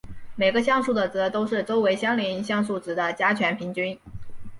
每个像素的值都是周围相邻像素值的加权平均。